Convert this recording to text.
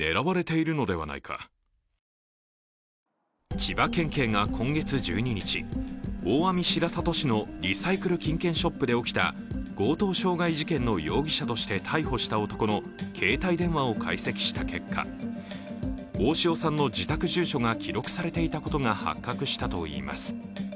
千葉県警が今月１２日、大網白里市のリサイクル金券ショップで起きた強盗傷害事件の容疑者として逮捕した男の携帯電話を解析した結果大塩さんの自宅住所が記録されていたことが発覚したといいます。